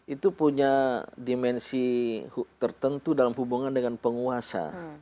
itu punya dimensi tertentu dalam hubungan dengan penguasa